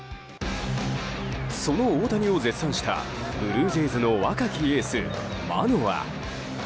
その大谷を絶賛したブルージェイズの若きエースマノア。